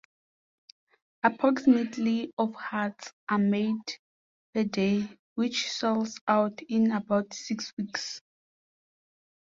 Approximately of hearts are made per day, which sells out in about six weeks.